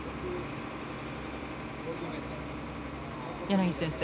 柳先生